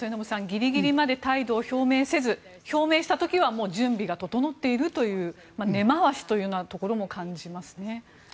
ギリギリまで態度を表明せず表明した時はもう準備が整っているという根回しというところも感じますよね。